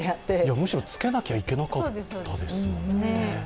むしろ、つけなきゃいけなかったですよ。